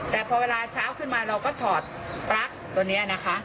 แต่พอเวลาเช้าขึ้นมาเราก็ถอดปลั๊กตัวนี้นะคะ